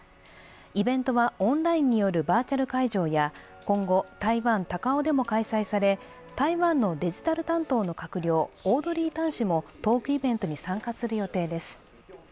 イベントはオンラインによるバーチャル会場や今後、台湾・高雄でも開催され台湾のデジタル担当の閣僚、オードリー・タン氏もトークイベントに参加する予定です。